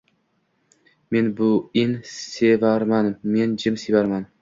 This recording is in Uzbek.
Men beun sevarman, men jim sevarman